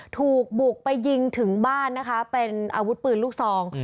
ถูกบุกไปยิงถึงบ้านนะคะเป็นอาวุธปืนลูกซอง